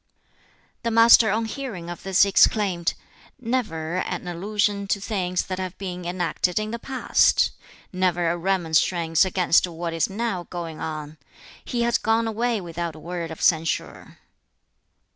The Master on hearing of this exclaimed, "Never an allusion to things that have been enacted in the past! Never a remonstrance against what is now going on! He has gone away without a word of censure."